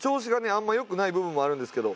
あんま良くない部分もあるんですけど。